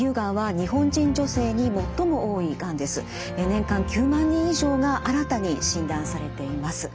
年間９万人以上が新たに診断されています。